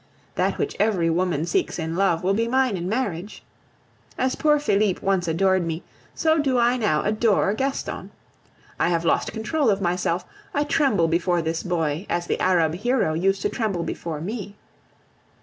That which every woman seeks in love will be mine in marriage. As poor Felipe once adored me, so do I now adore Gaston. I have lost control of myself, I tremble before this boy as the Arab hero used to tremble before me.